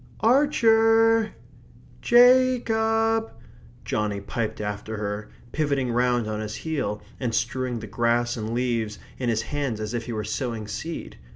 "Ar cher! Ja cob!" Johnny piped after her, pivoting round on his heel, and strewing the grass and leaves in his hands as if he were sowing seed.